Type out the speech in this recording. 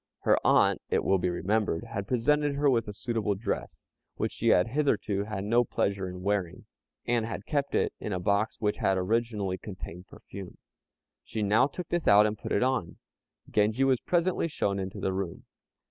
Her aunt, it will be remembered, had presented her with a suitable dress, which she had hitherto had no pleasure in wearing, and had kept it in a box which had originally contained perfume. She now took this out and put it on. Genji was presently shown into the room.